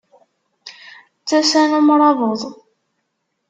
D tasa n umṛabeḍ!